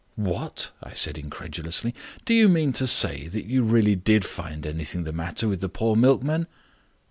"What?" I said incredulously, "do you mean to say that you really did find anything the matter with the poor milkman?"